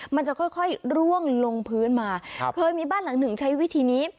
มันจะค่อยร่วงลงพื้นมาเคยมีบ้านหลังหนึ่งใช้วิธีนี้